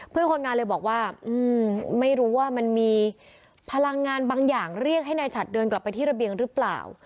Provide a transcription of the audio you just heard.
เพื่อนคนงานเลยบอกว่าไม่รู้ว่ามันมีพลังงานบางอย่างเรียกให้นายฉัดเดินกลับไปที่ระเบียงหรือเปล่า